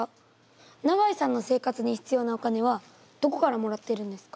永井さんの生活に必要なお金はどこからもらっているんですか？